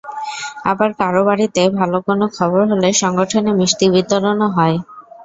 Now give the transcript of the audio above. আবার কারও বাড়িতে ভালো কোনো খবর হলে সংগঠনে মিষ্টি বিতরণও হয়।